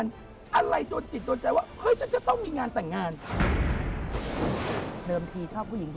ไม่ได้น่าเกลียด